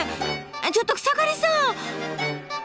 ちょっと草刈さん！